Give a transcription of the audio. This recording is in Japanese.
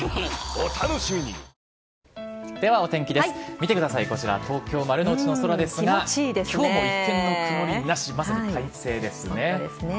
見てください、こちら東京・丸の内の空ですが今日も一点の曇りなしまさに快晴ですね。